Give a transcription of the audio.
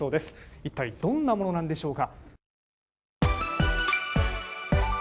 いったいどんなものなんでしょうか。